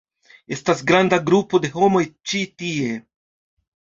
Estas granda grupo de homoj ĉi tie!